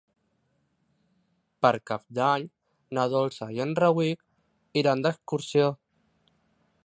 Per Cap d'Any na Dolça i en Rauric iran d'excursió.